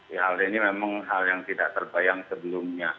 ya hal ini memang hal yang tidak terbayang sebelumnya